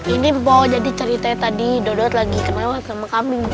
ini boh jadi ceritanya tadi dodot lagi kena lewat sama kambing